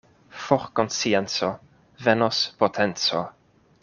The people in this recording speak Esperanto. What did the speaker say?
For konscienco, venos potenco.